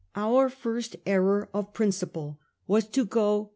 Our first error of principle was to go com 1842.